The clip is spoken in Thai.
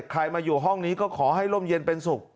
ใครมาอยู่ห้องนี้ก็ขอให้ร่มเย็นเป็นสุข